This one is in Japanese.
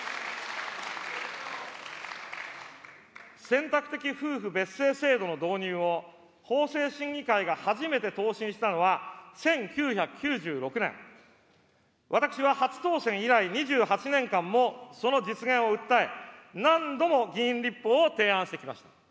選択的夫婦別姓制度の導入を法制審議会が初めて答申したのは１９９６年、私は初当選以来、２８年間もその実現を訴え、何度も議員立法を提案してきました。